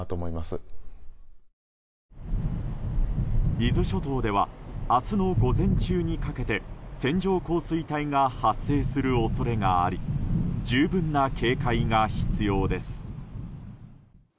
伊豆諸島では明日の午前中にかけて線状降水帯が発生する恐れがあり十分な警戒が必要です。